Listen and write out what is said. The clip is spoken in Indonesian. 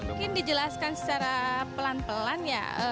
mungkin dijelaskan secara pelan pelan ya